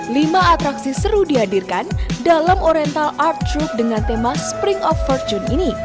lima atraksi seru dihadirkan dalam oriental art troup dengan tema spring out fortune ini